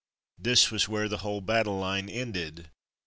This was where the whole battle line ended.